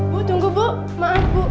bu tunggu bu maaf bu